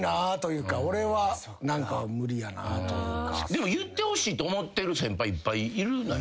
でも言ってほしいと思ってる先輩いっぱいいるのよ。